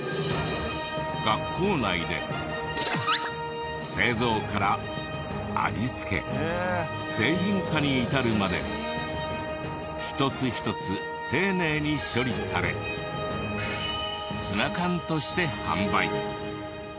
学校内で製造から味付け製品化に至るまで一つ一つ丁寧に処理されツナ缶として販売。